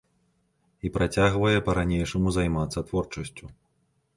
І працягвае па-ранейшаму займацца творчасцю.